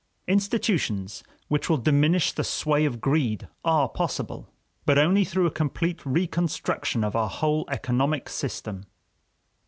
Institutions which will diminish the sway of greed are possible, but only through a complete reconstruction of our whole economic system.